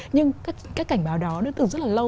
nhưng các cảnh báo đó đến từ rất là lâu